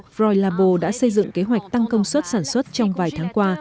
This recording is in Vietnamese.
froy labo đã xây dựng kế hoạch tăng công suất sản xuất trong vài tháng qua